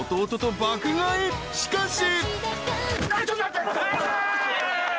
［しかし］